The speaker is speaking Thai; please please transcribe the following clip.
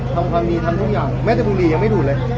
ทำความดีทำทุกอย่างแม้แต่บุหรี่ยังไม่ดูดเลย